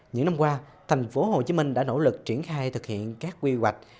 những năm qua thành phố hồ chí minh đã nỗ lực triển khai thực hiện các quy hoạch